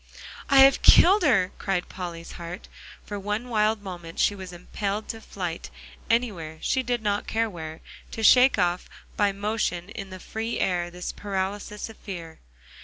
"I have killed her!" cried Polly's heart. For one wild moment she was impelled to flight; anywhere, she did not care where, to shake off by motion in the free air this paralysis of fear.